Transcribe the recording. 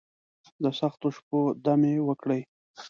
دسختو شپو، دمې وکړي